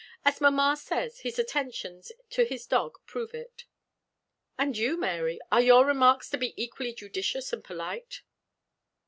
"As mamma says, his attentions to his dog prove it." "And you, Mary, are your remarks to be equally judicious and polite?"